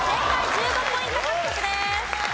１５ポイント獲得です。